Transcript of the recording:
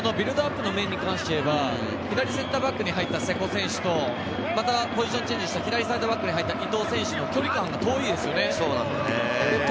ビルドアップの面に関して言えば左サイドバックに入った瀬古選手とポジションチェンジをした左サイドバックで入った伊藤選手の距離感が遠いですよね。